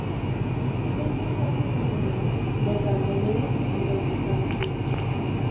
Se enfrentaron a los romanos, los vándalos y los bizantinos.